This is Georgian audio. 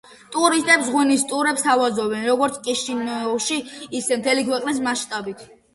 ტურისტებს ღვინის ტურებს სთავაზობენ როგორც კიშინიოვში, ისე მთელი ქვეყნის მასშტაბით.